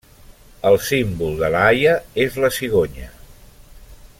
El símbol de La Haia és la cigonya.